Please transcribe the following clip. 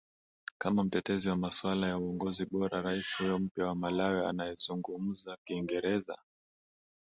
kama mtetezi wa masuala ya uongozi bora Rais huyo mpya wa malawi anayezungumza kiingezera